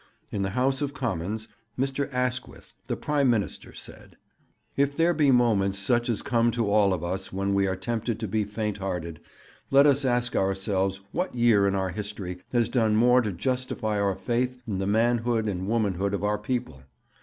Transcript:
In the House of Commons Mr. Asquith, the Prime Minister, said: 'If there be moments such as come to all of us when we are tempted to be fainthearted, let us ask ourselves what year in our history has done more to justify our faith in the manhood and the womanhood of our people?